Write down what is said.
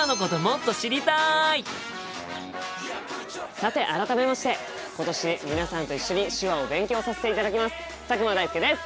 さて改めまして今年皆さんと一緒に手話を勉強させていただきます佐久間大介です！